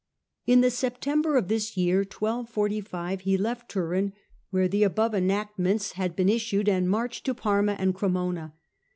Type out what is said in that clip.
In the September of this year, 1245, he left Turin, where the above enactments had been issued, and marched to Parma and Cremona.